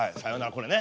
これね。